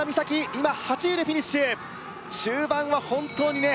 今８位でフィニッシュ中盤は本当にね